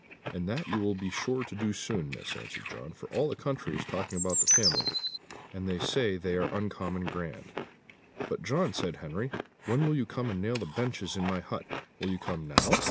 "And that you will be sure to do soon, Miss," answered John; "for all the country is talking about the family, and they say they are uncommon grand." "But, John," said Henry, "when will you come and nail the benches in my hut? Will you come now?